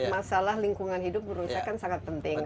masalah lingkungan hidup menurut saya kan sangat penting